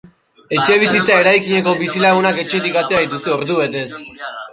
Etxebizitza eraikineko bizilagunak etxetik atera dituzte, ordubetez.